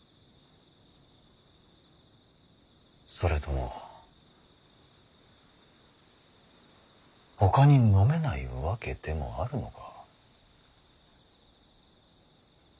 それともほかに飲めない訳でもあるのか。